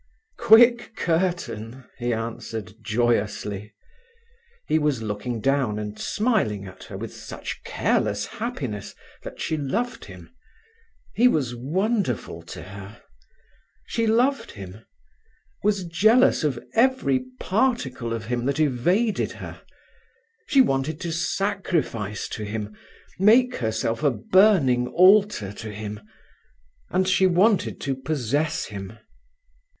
"Quick curtain," he answered joyously. He was looking down and smiling at her with such careless happiness that she loved him. He was wonderful to her. She loved him, was jealous of every particle of him that evaded her. She wanted to sacrifice to him, make herself a burning altar to him, and she wanted to possess him.